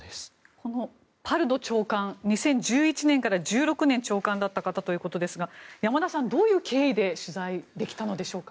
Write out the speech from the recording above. このパルド長官２０１１年から２０１６年まで長官だった方ということですが山田さん、どういう経緯で取材できたんでしょうか。